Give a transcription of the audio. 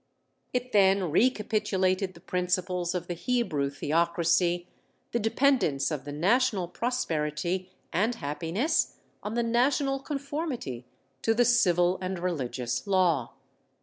_ It then recapitulated the principles of the Hebrew theocracy, the dependence of the national prosperity and happiness on the national conformity to the civil and religious law.